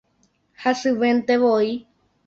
Hasyventevoi